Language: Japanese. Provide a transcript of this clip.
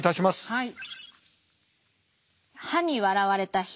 はい。